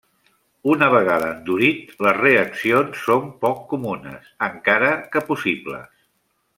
Una vegada endurit, les reaccions són poc comunes encara que possibles.